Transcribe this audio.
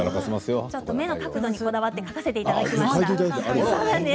目の角度にこだわって描かせていただきました。